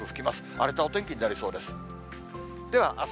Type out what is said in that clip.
荒れたお天気になりそうです。